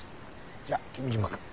じゃあ君嶋くん。